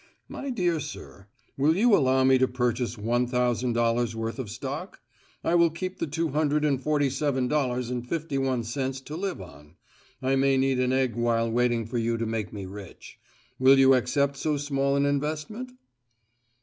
My dear sir, will you allow me to purchase one thousand dollars' worth of stock? I will keep the two hundred and forty seven dollars and fifty one cents to live on I may need an egg while waiting for you to make me rich. Will you accept so small an investment?"